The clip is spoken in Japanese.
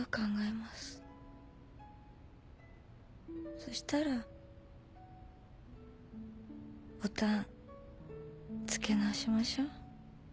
そしたらボタン付け直しましょ。